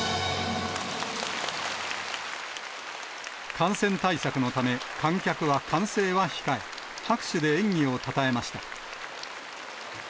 感染対策のため、観客は歓声は控え、拍手で演技をたたえました。